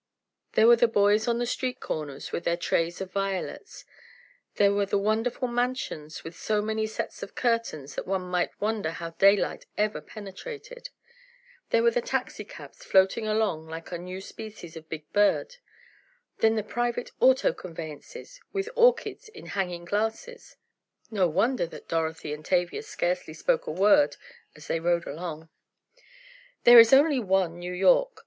There were the boys on the street corners with their trays of violets; there were the wonderful mansions with so many sets of curtains that one might wonder how daylight ever penetrated; there were the taxicabs floating along like a new species of big bird; then the private auto conveyances—with orchids in hanging glasses! No wonder that Dorothy and Tavia scarcely spoke a word as they rode along. There is only one New York.